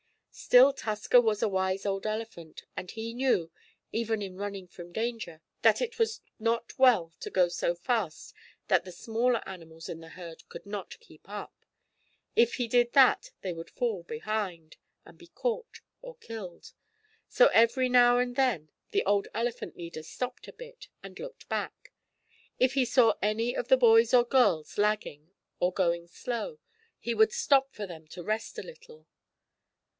Still Tusker was a wise old elephant, and he knew, even in running from danger, that it was not well to go so fast that the smaller animals in the herd could not keep up. If he did that they would fall behind, and be caught or killed. So, every now and then the old elephant leader stopped a bit, and looked back. If he saw any of the boys or girls lagging, or going slow, he would stop for them to rest a little.